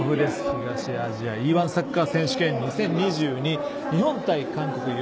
東アジアＥ‐１サッカー選手権２０２２優勝決定戦、日本対韓国。